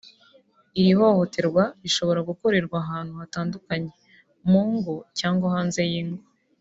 Iri hohoterwa rishobora gukorerwa ahantu hatandukanye ;mu ngo cyangwa hanze y’ingo